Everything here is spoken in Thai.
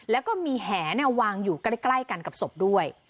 แล้วก็มีแหวางอยู่ใกล้กันกับศพด้วย